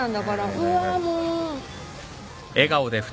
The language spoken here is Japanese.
うわもう。